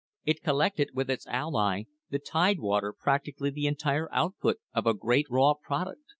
It collected with its ally, the Tide water, practically the entire output of a great raw product.